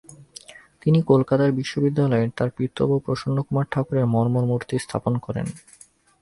তিনি কলকাতা বিশ্ববিদ্যালয়ের তার পিতৃব্য প্রসন্নকুমার ঠাকুরের মর্মর মূর্তি স্থাপন করেন।